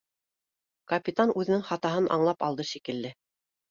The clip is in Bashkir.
Капитан үҙенең хатаһын аңлап алды шикелле